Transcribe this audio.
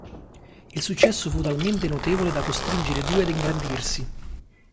Il successo fu talmente notevole da costringere i due ad ingrandirsi.